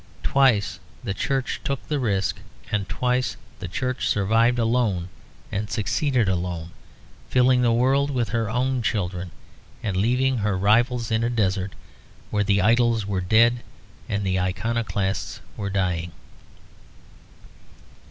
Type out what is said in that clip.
Twice the Church took the risk and twice the Church survived alone and succeeded alone, filling the world with her own children; and leaving her rivals in a desert, where the idols were dead and the iconoclasts were dying.